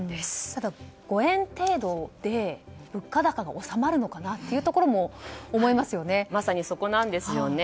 ただ、５円程度で物価高が収まるのかなともまさにそこですね。